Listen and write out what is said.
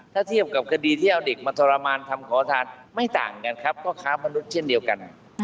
ถ้าเทียบกับคดีที่เอาเด็กมาทรมานทำขอทานไม่ต่างกันครับก็ค้ามนุษย์เช่นเดียวกัน